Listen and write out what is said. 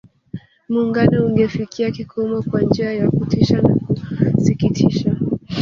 Muungano ungefikia kikomo kwa njia ya kutisha na kusikitisha